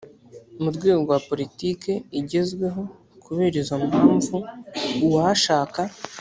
mu rwego rwa poritiki igezweho. kubera izo mpamvu uwashaka